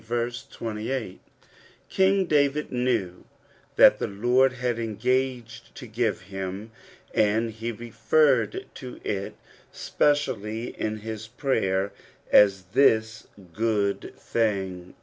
2a ING David knew what the Lord had engaged to give him, and he referred to it specially in his prayer as "this good thing."